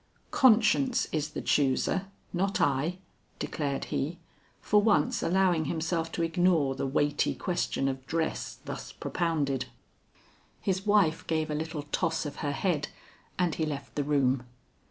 "Conscience is the chooser, not I," declared he, for once allowing himself to ignore the weighty question of dress thus propounded. His wife gave a little toss of her head and he left the room.